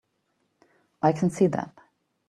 I can see that.